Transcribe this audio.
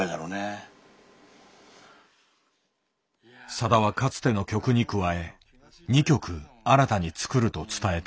さだはかつての曲に加え２曲新たに作ると伝えた。